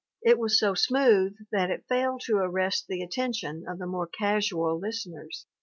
It was so smooth that it failed to arrest the attention of the more casual listeners.